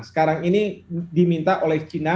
sekarang ini diminta oleh china